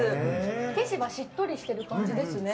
生地はしっとりしてる感じですね。